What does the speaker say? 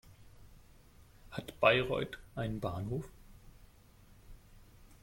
Hat Bayreuth einen Bahnhof?